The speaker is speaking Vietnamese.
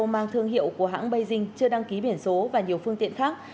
mang thương hiệu của hãng baying chưa đăng ký biển số và nhiều phương tiện khác